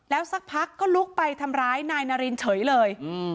สักพักก็ลุกไปทำร้ายนายนารินเฉยเลย